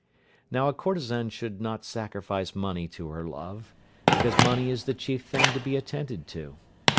Now a courtesan should not sacrifice money to her love, because money is the chief thing to be attended to.